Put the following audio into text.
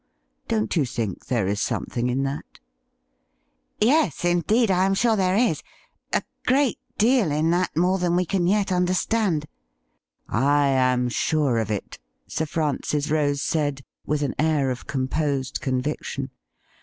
Don't you think there is some thing in that .?'' Yes, indeed, I am sure there is — a great deal in that more than we can yet understand.' ' I am sm^e of it,' Sir Francis Rose said, with an air of composed conviction.